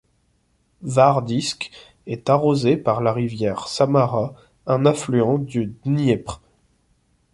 Hvardiïske est arrosée par la rivière Samara, un affluent du Dniepr.